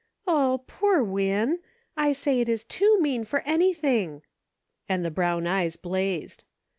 " O, poor Win ! I say it is too mean for any thing !" and the brown eyes blazed.